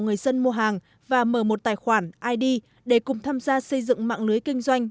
người dân mua hàng và mở một tài khoản id để cùng tham gia xây dựng mạng lưới kinh doanh